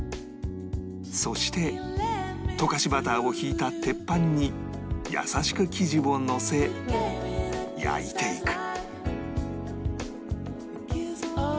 そして溶かしバターを引いた鉄板に優しく生地をのせ焼いていく